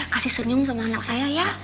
kasih senyum sama anak saya ya